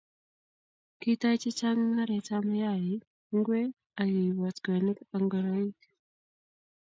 Kitoi chechang mungaretab mayaik, ngwek ak keibot kweinik ak ngoroik